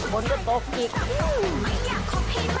บนก็ตกอีก